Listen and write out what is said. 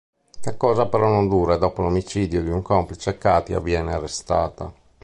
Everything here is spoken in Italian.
La cosa però non dura, e dopo l'omicidio di un complice, Katia viene arrestata.